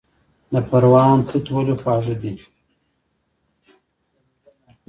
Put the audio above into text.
د پروان توت ولې خوږ دي؟